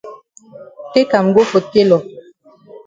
Take am go for tailor.